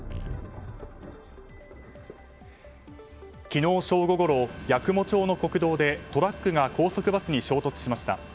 昨日正午ごろ、八雲町の国道でトラックが高速バスに衝突しました。